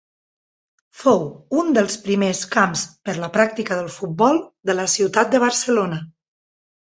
Fou un dels primers camps per la pràctica del futbol de la ciutat de Barcelona.